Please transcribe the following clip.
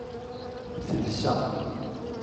Telsa.